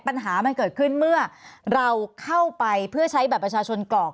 ปัญหามันเกิดขึ้นเมื่อเราเข้าไปเพื่อใช้บัตรประชาชนกรอก